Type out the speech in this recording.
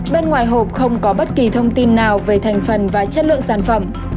bên ngoài hộp không có bất kỳ thông tin nào về thành phần và chất lượng sản phẩm